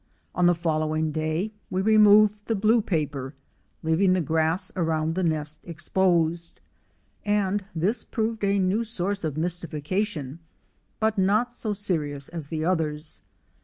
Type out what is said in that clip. On the following day we removed the blue paper, leaving the grass around the nest exposed ; and this proved a new source of mystification, but not so serious as the others.